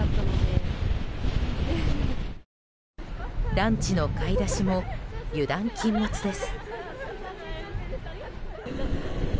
ランチの買い出しも油断禁物です。